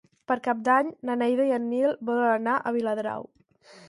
Per Cap d'Any na Neida i en Nil volen anar a Viladrau.